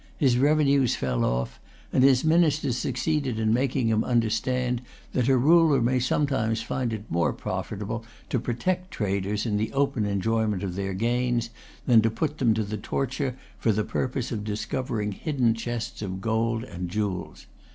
His revenues fell off; and his ministers succeeded in making him understand that a ruler may sometimes find it more profitable to protect traders in the open enjoyment of their gains than to put them to the torture for the purpose of discovering hidden chests of gold and jewels.